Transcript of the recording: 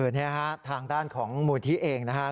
นี่ฮะทางด้านของหมูอิทธิเองนะฮะ